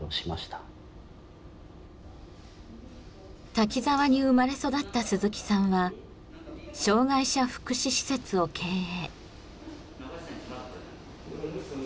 滝沢に生まれ育った鈴木さんは障がい者福祉施設を経営。